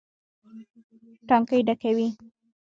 ټانکۍ ډکوي.